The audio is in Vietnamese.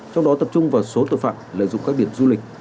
trong đó tập trung vào số tội phạm lợi dụng các điểm du lịch